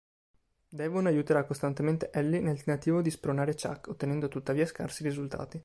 Devon aiuterà costantemente Ellie nel tentativo di spronare Chuck, ottenendo tuttavia scarsi risultati.